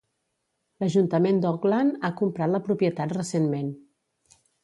L'ajuntament d'Auckland ha comprat la propietat recentment.